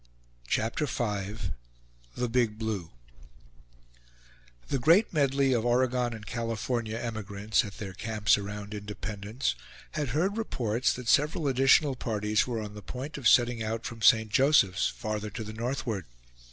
CHAPTER V "THE BIG BLUE" The great medley of Oregon and California emigrants, at their camps around Independence, had heard reports that several additional parties were on the point of setting out from St. Joseph's farther to the northward.